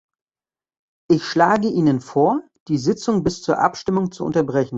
Ich schlage Ihnen vor, die Sitzung bis zur Abstimmung zu unterbrechen.